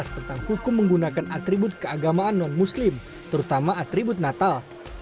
tentang hukum menggunakan atribut keagamaan non muslim terutama atribut natal